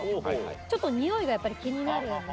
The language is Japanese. ちょっとにおいがやっぱり気になるんで。